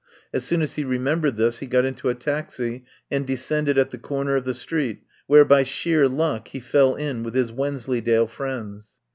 As soon as he remembered this he got into a taxi and descended at the corner of the street, where by sheer luck he fell in with his Wensleydale friends.